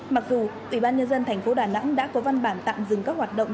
mặc dù ủy ban nhân dân thành phố đà nẵng đã có văn bản tạm dừng các hoạt động